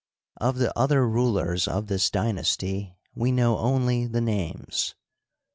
Of the other rulers of this dynasty we know only the names.